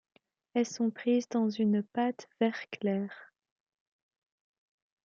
Elles sont prises dans une pâte vert clair.